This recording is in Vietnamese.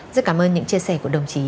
rất cảm ơn những chia sẻ của đồng chí